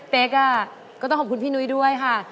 ก็ต้องขอบคุณพี่นุ้ยด้วยค่ะ